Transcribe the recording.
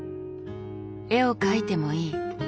「絵を描いてもいい」。